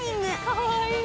かわいい！